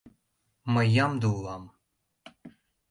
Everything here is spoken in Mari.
— Мый ямде улам!